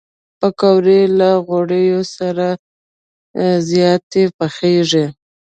پکورې له غوړیو سره زیاتې پخېږي